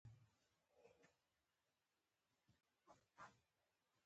د هغوی د بشپړ محو کېدلو اټکل کېږي.